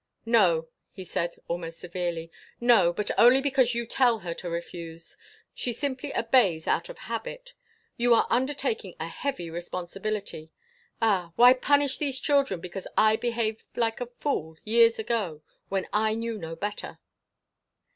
"No!" he said, almost severely. "No; but only because you tell her to refuse. She simply obeys out of habit. You are undertaking a heavy responsibility. Ah! Why punish these children because I behaved like a fool years ago, when I knew no better?"